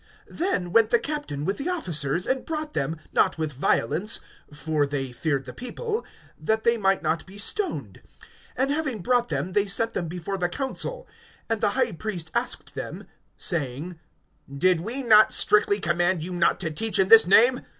(26)Then went the captain with the officers, and brought them, not with violence (for they feared the people), that they might not be stoned. (27)And having brought them, they set them before the council. And the high priest asked them, (28)saying: Did we not strictly command you not to teach in this name?